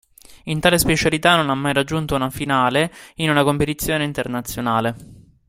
In tale specialità non ha mai raggiunto una finale in una competizione internazionale.